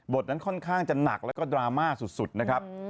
นั้นค่อนข้างจะหนักแล้วก็ดราม่าสุดนะครับ